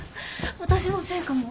私のせいかも。